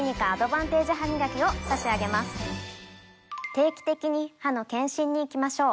定期的に歯の健診に行きましょう。